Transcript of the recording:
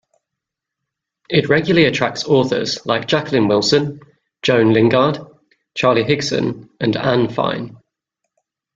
It regularly attracts authors like Jacqueline Wilson, Joan Lingard, Charlie Higson and Anne Fine.